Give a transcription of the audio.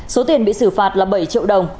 số tiền bị xử phạt là bảy triệu đồng